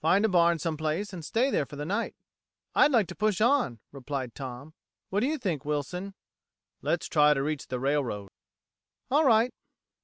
"Find a barn some place, and stay there for the night." "I'd like to push on," replied Tom. "What do you think, Wilson?" "Let's try to reach the railroad." "All right."